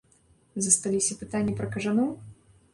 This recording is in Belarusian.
Засталіся пытанні пра кажаноў?